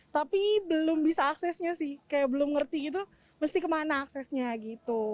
tapi belum bisa aksesnya sih kayak belum ngerti gitu mesti kemana aksesnya gitu